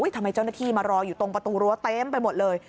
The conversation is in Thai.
เจ้าหน้าที่มารออยู่ตรงประตูรั้วเต็มไปหมดเลย